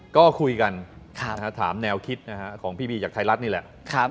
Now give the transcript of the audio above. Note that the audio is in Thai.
ก็คุยกันถามแนวคิดของพี่บีจากไทยรัฐนี่แหละ